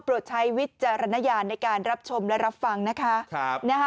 ใช้วิจารณญาณในการรับชมและรับฟังนะคะ